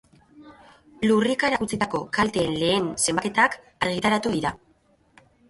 Lurrikarak utzitako kalteen lehen zenbaketak argitaratu dira.